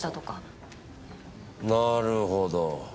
なるほど。